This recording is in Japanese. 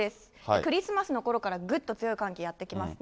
クリスマスのころから、ぐっと強い寒気やって来ますね。